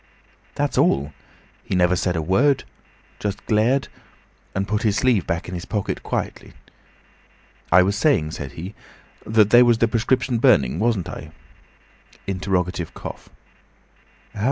"That's all. He never said a word; just glared, and put his sleeve back in his pocket quickly. 'I was saying,' said he, 'that there was the prescription burning, wasn't I?' Interrogative cough.